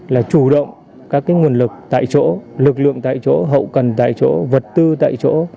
là chủ động các nguồn lực tại chỗ lực lượng tại chỗ hậu cần tại chỗ vật tư tại chỗ